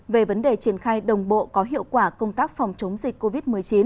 về vấn đề triển khai đồng bộ có hiệu quả công tác phòng chống dịch covid một mươi chín